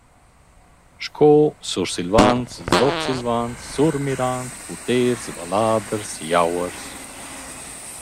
Sco Sursilvans, Sutsilvans, Surmirans, Puters, Valladers, Jauers.